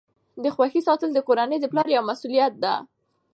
د خوښۍ ساتل د کورنۍ د پلار یوه مسؤلیت ده.